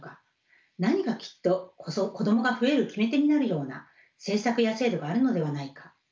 何かきっと子どもが増える決め手になるような政策や制度があるのではないか？